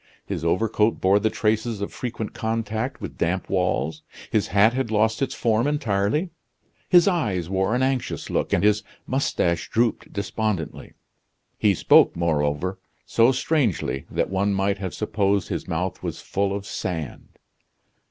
His overcoat bore the traces of frequent contact with damp walls; his hat had lost its form entirely. His eyes wore an anxious look, and his mustache drooped despondently. He spoke, moreover, so strangely that one might have supposed his mouth was full of sand.